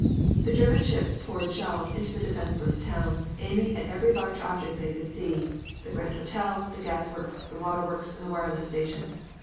The German ships poured shells into the defenseless town, aiming at every large object they could see, the Grand Hotel, the gas works, the water works and the wireless station.